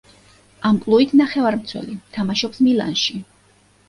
ამპლუით ნახევარმცველი, თამაშობს მილანში.